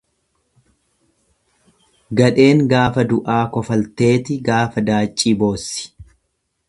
Gadheen gaafa du'aa kofalteeti gaafa daaccii boossi.